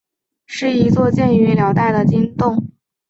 是一座建于辽代的经幢。